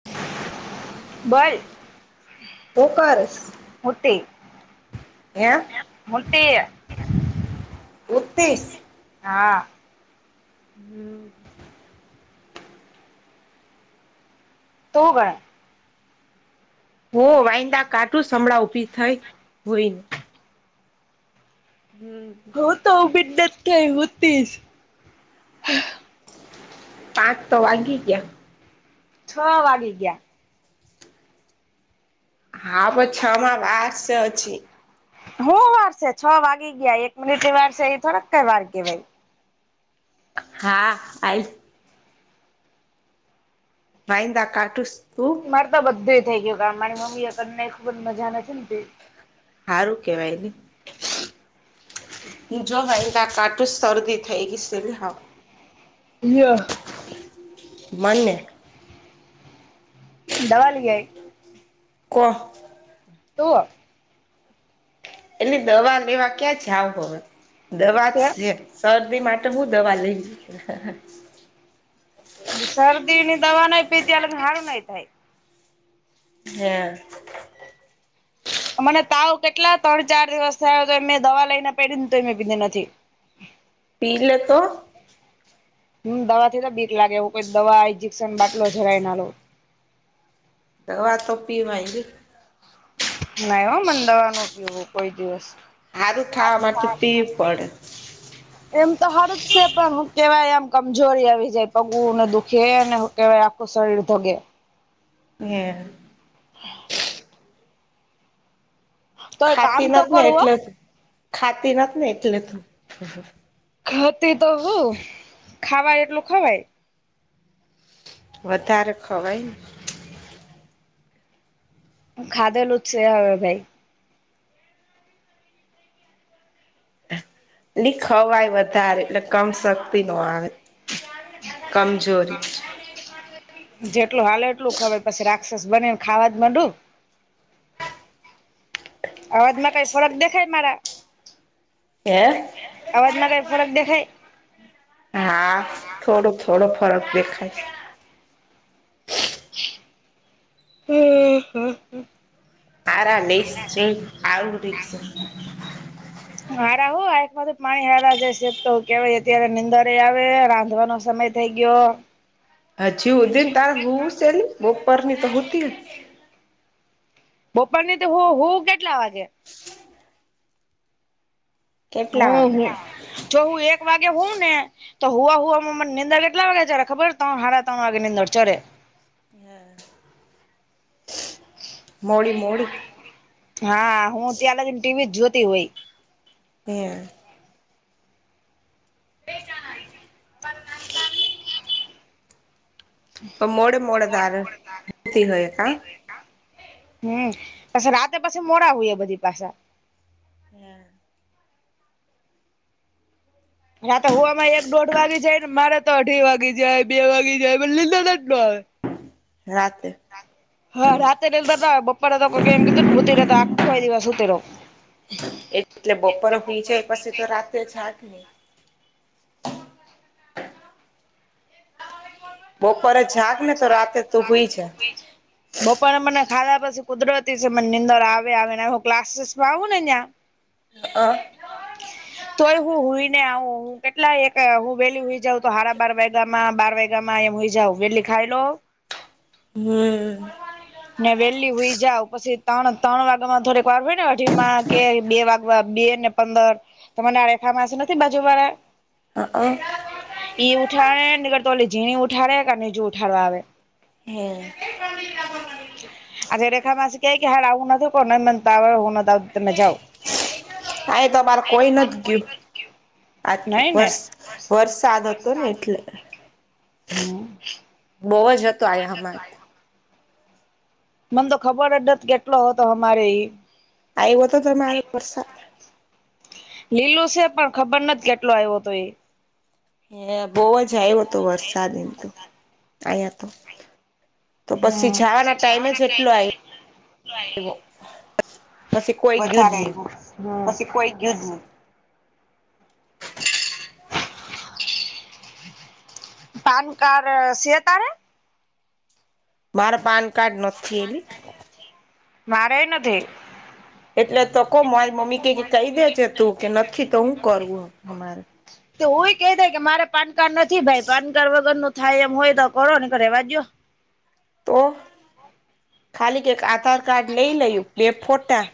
[inaudible] બલ. ઉપર. મુટી. હે બતી્રીસ. હા. હમ. તો ગણ. હો વાઈંદા કાટું સંભળા ઊભી થાય હોય ને? હમ. હું તો બિનત થઈ હોતીશ. પાંક તો વાગી ગયા. છો વાગી ગયા હા પન છો માં વાર સે અજી હું વારસે છ વાગી ગયા એક મિનિટ ની વારસે એ થોડાક વાર કેવાય હા આ [unintelligible] મારે તો બધું થઇ ગયુ કામ મારી મમ્મી એ કરી નાખ્યું મન મજા નથી ને હારું કેવાય, હુ જો ભાઈ કા કાટ તો શરદી થઈ ગી સન હાવ લવ્યો મલીએ દવા લીઆઇ કોણ તુ એની દવા લેવા ક્યાં જાવ હવે દવા જ છેમ. શરદી માટે હું દવા લઈ. શરદી ની દવા ન પીતીલાડું ન હારુ થાય. હ. [unintelligible] મને તાવ કેટલા ત્રણ, ચાર દિવસ થયા તો એને દવા લઈ ને પેઘીને તે પીધી નથી પીલે તો હમ, દવા થી તો બીક લાગે એવું કોઈ દવા, ઇન્જેક્શન, બાટલો જરાય ના લવ દવા તો પીવાયે ના, એ મ દવાનો પીવુ હો કોઈ દિવસ હારું થવા માટે પીવી પડે એમ તો હર જ છે પણ કેવાય આમ કમજોરી આવી જાય પગુંને દુખેને. કેવાય આખું શરીર ધગે. હ. [unintelligible] હ. [inaudible] તો એક કામ ખાતી તો નથી ને કરું હો એટલે ખાતી નથી ને એટલે તું. ખતી તો હું ખાવાય એટલું ખવાય. વધારે ખવાયને. ખાદે લુચશે હવે ભાઈ. એ ખવાય વધારે એટલે કમ શક્તિ નો આવે કમજોરી. જેટલું હલે એટલું ખબર પછી રાક્ષસ બનેને ખાવા જ ડું. અવાજમાં કઈ ફરક દેખાય મારા હે અવાજમાં કઈ ફરક દેખાય. હા થોડો થોડો ફરક દેખાય. હમ હમ હ. [unintelligible] સારા લ આવું. હાર હો આ માંથી પાણી હાર જશે તો કેવાય અત્યારે નીંદર આવે રાંધવાનો સમય. [unintelligible] હ જી ઉદીન તાર હ છે બપરની તો હોતી જ બપર ની તોું હું કેટલા વાગે કેટલા હમ વાગે હ જો હું એક વાગે હોઉ ને તો હુવા હુવામાં મને નીડર કેટલા વાગે ચડ ખબર ત હારડા ત્રણ વાગે નીડર ચડે હા [unintelligible] હા હું ત્યાલ ટીવી જ જોતી હોય. હ [unintelligible] એ જણ પણ પણ મોડે મોડે તારેતી હોય? કા હમ પછી રાતે પછી મોડા હોય બધી પાછ- હમ [unintelligible] હા તો હું આમાં એક દોઢ વાગે જાય ને મારે તો અઢી વાગી જાય બે વાગી જાય લીધ જ ન આવે રાતે [unintelligible] હા રાતે બપા તો એમ કીધું ને ઉતીરે તો આખો એ દિવસ ઉતરો એ એટલે બપોરરો ફઈ જાય એ પછી તો રાતે જાગ નહી બપોરે જાગ ને તો રાતે તું હોઈ જ બપરે મને ખાધા પછી કુદરતી છે મને નીંદર આવે આવે ને હું ક્લાસીસ માં આવું ને ત્યાં હ [unintelligible] તોય હું હોઈને આવ હું કેટલા એક હું વેલી હોઈ જઉ તો હડા બાર વાગા માં બાર વાગા માં એમ હોઈ જાવ એટલી ખાઈ લો હમ [unintelligible] હમ- ને વેલી હઈ જાવ પછી ત્રણ ત્રણ વાગ્યા માં થોડીક વાર હોય ને કે બે વાગવા બે ને પંદર તને આ રેખામાં નથી બાજુ વાળા હા હ ઈ ઉઠાડે નીકરતો ઓલી ઝીણી ઉઠાડે કા બીજું ઉઠાડવા આવે હમ આજે રેખા માસી કે કે હાલ આવું નથી પણ માન તાવ આવે હું નથી આવતી તમે આ તો અમારે કોઈ નથી ગયું [unintelligible] આ તો નઈ ને વર વરસાદ હતો ને એટલે હ [unintelligible] બહુ જ હતો હો આયા જસ આ અમારે હ મન તો ખબર નથ કેટલો હતો હમારે ઈ આવ્યો તો તમારો વરસાદ લીલું છે પણ ખબર નથી કેટલો આવ્યો હતો એ. હ બહવ જ આવ્યો હતો વરસાદ મ તો અયા તો. તો પછી હમ જવાના ટાઈમે જ એટલો આયવો. પછી કોઈ ગયું જ નહી. હ પછી કોઈ ગયુ જ નથી. [inaudible] ધન કાર સે તારે? માર પાન કાર્ડ નથે એ. મારે નથી. એટલે તો કહ મારી મમ્મી ક કહી દેજ તું કે નથી તો હું કરવું અમારે. તોવુંય ક દાય કે મારે પાન કાર્ડ નથી ભાઈ પાન કાર્ડ વગર નું થાય એમ હોય તો કરો ને ઘ રવાજ્યો. તો, ખાલી ક આધાર કાર્ડ લઈ લું બે ફોટા.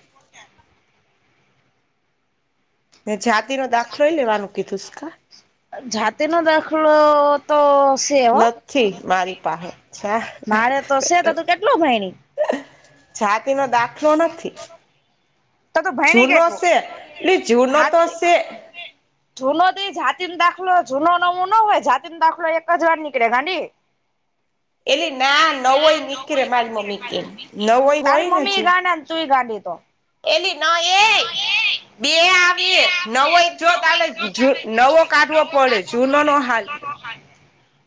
ને જાતિ નો દાખલોય લેવાનું કીધુંસકા? જાતેનો દાખલો તો શે નથી મારી પાસે જા મારે તો શે તો, તું કેટલું ભાઈ? જાતી નો દાખલો નથી. તો તું ભયણી જૂનો કેટલું છેે જૂનો હા તો છેે. જૂનો દઈ જાતીને દાખલો જૂનો નમો ન હોય જાતીને દાખલો એક જ વાર નીકળે ગાંડી. એલી ના નવોય નીકળે મારી મમ્મી કે નવોય હોય તારી ને મમ્મી જુ એ ગાંડા. તું ગાડી તો. એલી ન એટ [unintelligible] બે આવી નવો જો ત નવો કાઢવો પડે જૂનો નો હાલ.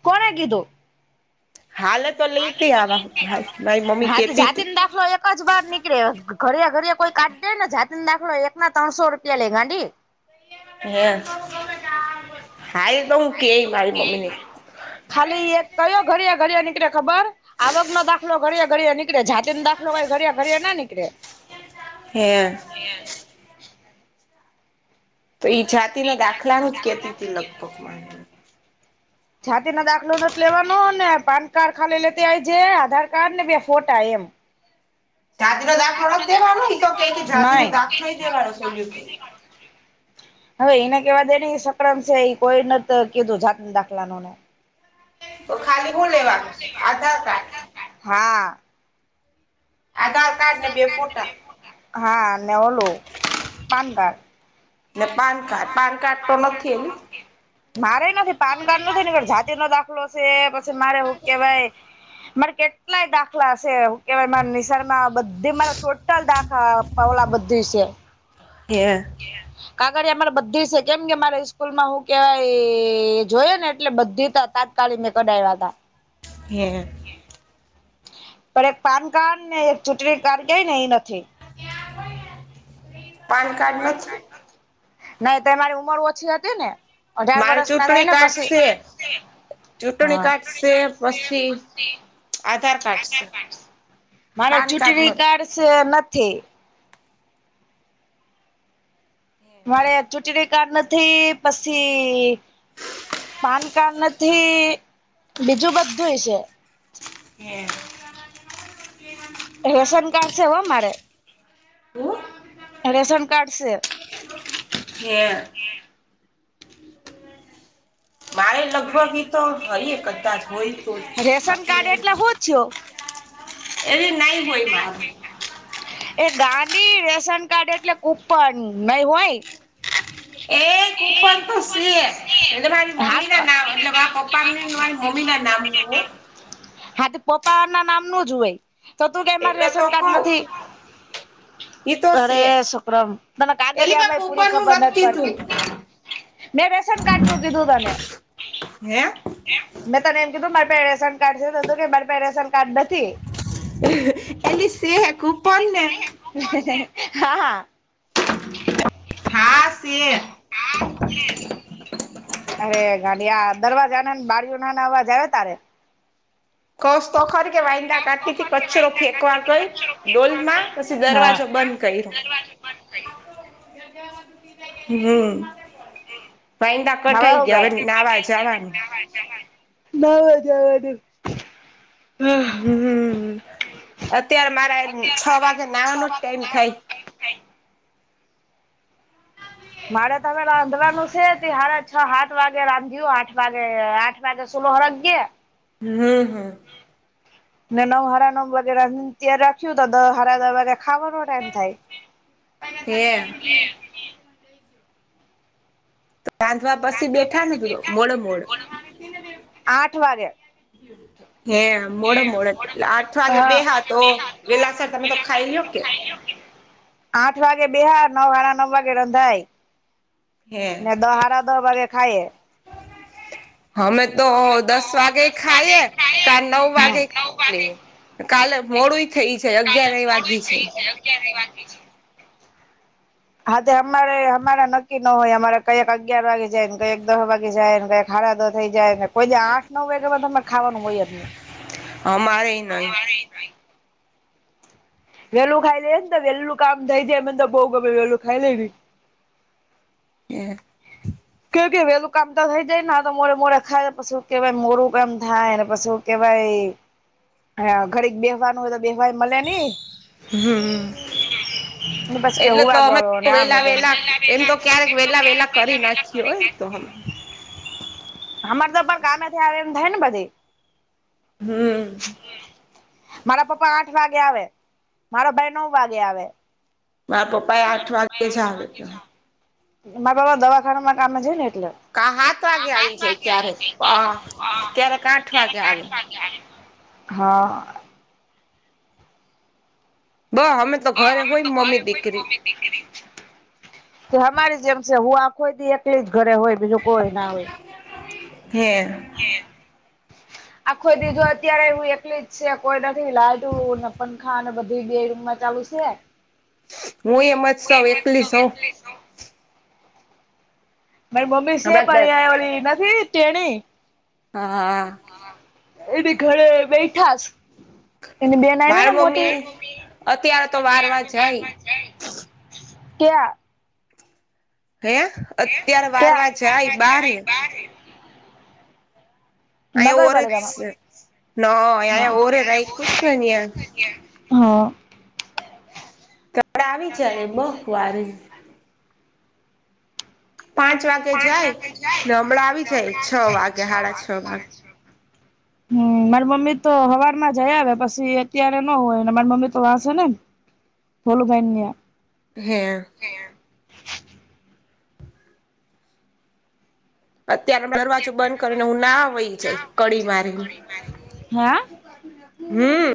કોણ કીધુ? હાલ તો લઈ ત આ મારી મમ્મી હા તો કેતી હતી. જાતિનો દાખલો એક જ બાર નીકળે ઘર ઘર કોઈ કાઢ દે ને જાતને દાખલો એક ના ત્રણસો રૂપિયા લે ગાંડી. હે હાઈ તો હું કેય મારી મમ્મી ને. ખાલી એક કયો ઘરે ઘરે નીકળે ખબર? આવક નો દાખલો ઘે ઘડીએ નીકળે જાતિ નોાખલો કઈ ઘડ ઘડીએ ના નીકળે. હમ. એયા [unintelligible] તો ઈ જાતિના દાખલાનું જ કેતી હતી લગભગ મા. છાતી ન દાખલો ન લેવાનો ને પાન કાર્ડ ખાલી લેતી આય છે આધાર કાર્ડ ને બે ફોટા એમ. જાતિ નો દાંત વ જ દેવાનો ન તો ક કે જાદી નઈ ન દાખ નોઈ દેવાનો સોલ્યુ કે. હવે એને કેવા દે સકડન છે એ કોઈ ન કીધું જાત દાખલાનું ને. તો ખાલી હું લેવાનું આધાર કાર્ડ હા. આદ હા નનેવલું પાનકાર્ડ. ને પાન કારડ પાન કાર્ડ તો નથી એલ? મારે નથી પાન કાર્ડ નથી ની જાતિ નો દાખલો છે મારે હું કેવાય મારે કે કેટલાય દાખલા છે કેવાય મા નિશામાં બધી મારા ટોટલ દાખલા પાવલા બધી છે. કે. કાગર અમારે બધી છે કેમ કે મારા સ્સ્કૂલ માં હું કેવાય જોય ને એટલે બધી તાલીમ ને કડાવ્યા હતા. એ. પણ એક પાન કાર્ડ ને એક ચૂંટણી કાર્ડ કય ને એ નથી. એ હો [unintelligible] નહી તો મારી ઉમર ઓછી હતી ને. અઢાર મારે વરષ ના રહેાય ચૂંટણી ને કાર્ડ પછી. છે ચૂંટણી હા. કાર્ડ છે પછી આધાર કાર્ડ છે મારા પાન ચૂંટણી નથી કાર્ડ છે નથી. મારે ચૂંટણી કાર નથી ઈ પછી પાન કાર્ડ નથી બીજું બધુંય છે. એેમ. રેશન કાર્ડ છે હો મારે. હું રેશન કાર્ડ છે. કે. મારે લગભગ એ તો ફરીએ કદાચ હોય. તો જ રેશન બાકી કાર્ડ એટલે નહી હું થયું? એવી નઈ હોય માર. એ ગાંડી રેશન કાર્ડ એટલે કૂપન નઈ હોય? એ કૂપ પન તો સે એટલે મારી હા મમ્મી તો ના નામ એટલે મા પપ્પા ને મારી મમ્મી ના નામનું. હા તો પપ્પા ના નામ નું જ હોય તો તું કે મારે એટલે રેશન તો કાર્ડ કઉ નથી. ઈ તો અરે છે સુુક્રમ તને એલી પા કાગળિયામાં પૂરી કૂપન નું ખબર નથ નથી પડતી. કીધું મેં રેસન કારાડ નું કીધું તને. હે? મેં તને એમ કીધું મારી પાસે રેશન કાર્ડ છે કે મા પાસે રેશન કાર્ડ નથી. એલીશે કૂપન ને હા હા. હા શે. અરે ગાડિયા દરવાજા ના બાડીઓ ના ના અવાજ આવે તારે? કસ તો ખરી કે વાઈંદા કાઢીથી કચરો ફેંકવા ગઈ. ડોલમાં પછી હા દરવાજો બંધ કર્યો. હમ્મ. પેઈડા કટાઈ ગયા હવે નાવા જવાનું. નાવા જવાનું. હમ્મ, અત્યારે મારે છ વાગે નાવાનો જ ટાઈમ થાય. મારે તમે રાંધવાનું છે તી હારે છ સાત વાગે રાંધયુ આઠ વાગે આઠ વાગે ચૂલો હલ્ગે. હમ્મ, હમ્મ. ને નવ હાળા નવ વગે ત્યારે રાખ્યું તો દ હારા દર વગેરે ખાવાનું ટાઈમ થાય. હે રાંધવા પછી બેઠા નતું તો મોડે મોડ. આઠ વાગે. હે મોડે મોડે આઠ વાગે બે હા તો વેલાસર તમે તો ખાઈ લો. કે. આઠ વાગે બિહાર નવ વાડા નવ વાગે રંધાઈ હે ને દ હાર દહ વાગે ખાઈએ. અ મે. તો દસ વાગે ખાઈએ ક નવ હમ વાગે ખાઈએ લઈએ. કાલે મોડું થઈ જાય અગિયાર એ વાગી છે. એ અગિયારની વાજબી છે. હા તે અમારે અમારા નક્કી ન હોય અમારે કઈક અગિયાર વાગે જાય ને કક દસ વાગે થઈ જાય ને કોઈ દી આઠ નવ વાગે બ તમે ખાવાનું હોય જ નહી. અમારે નઈ. વેલું ખાઈ લે ને વેલું કામ થઈ જાય એમર બઉ ગમે વેલું ખાઈ લે તો. એ કે કે વેલું કામ તો થઈ જાયને તો મોરેે મોરેે ખાય પછું કે ભાઈ મોરું કામ થાય પછું કે ભાઈ ઘડીક બે વાર હોય તો બેફાઈ મળે નહી. હમ બસ એટલે કેવું તો આ અમે ગળને વેલા વેલા આ એમ તો ક્યારેક વેલા વેલા કરી નાખી હોય તો હ હર તોર ગામમેથી આમાય ને બધે. હમ્મ મારા પપ્પા આઠ વાગે આવે મારો ભાઈ નવ વાગે આવે. મારા પપ્પા એ આઠ વાગે જ આવે. મારા બાબ દવાખાનામાં કામે છે ને એટલે. કા સાત વાગે પાચ આવી જાય વાગે આવી ક્યારેક છે ક્યારે હ ક્યારેક આઠ ત્યારે વાગે પાચ આવે વાગે આવે. હા. બહ અમે. તો હ ઘરે અમે હોય તો મમ્મી ઘરે હોઈને મમ્મી. [inaudible] કે અમારી જેમ છે હું આખોઈ બી એકલી જ ઘરે હોય બીજું કોઈ ના હોય. હે. આખોઈ દી જો અત્યારે હુ એકલી છે કોઈ નથી લાઈટુ ને પખા ને બધુ બે રૂમમાં ચાલુ શે હું એમ જ સૌ એકલી સૌ થે [inaudible] મારી મમ્મી સે હમણાં પણ દસ એ ઓળી નથી તેણી હા આ એની ઘરે બેઠાસ તેની બેન આયવી માર ને મોટી મમ્મી અત્યાર તો બારમાં જાય ક્યા હે? અત્યારે વારવા જાય ક્યાં? બહાર હે. અહીંયા ઓરે જ છે ન અહીંયા નગરપાલિકામાં ઓરે રાખ્યું છે ને ત્યાં [inaudible] હા.. [inaudible] હ કપડાં આવી જહે મોં ઘ વારી પાંચ વાગે જાય ને હમણાં આવી જાય છ વાગે હાડા છ વાગે. [inaudible] હમ મારી મમ્મી તો હવાર માં જયા આવે પછી અત્યારે નો હોય મારી મમ્મી તો વાંસેને બોલો ભાઈન્યા. હે અત્યારે દરવાજો બંધ કરીને હું નાહવા વઈ જાય, કડી મારીન. હા હમ્મ